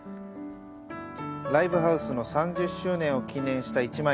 ライブハウスの３０周年を記念した一枚。